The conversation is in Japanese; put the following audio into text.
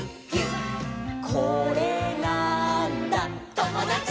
「これなーんだ『ともだち！』」